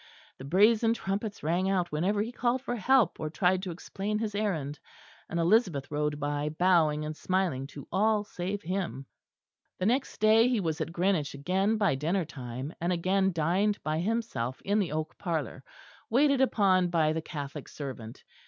The brazen trumpets rang out whenever he called for help or tried to explain his errand; and Elizabeth rode by, bowing and smiling to all save him. The next day he was at Greenwich again by dinner time, and again dined by himself in the oak parlour, waited upon by the Catholic servant.